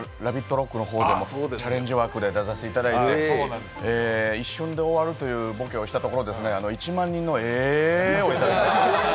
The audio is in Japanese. ＲＯＣＫの方でもチャレンジ枠で出させていただいて一瞬で終わるというボケをしたところ１万人の「え」をいただきました。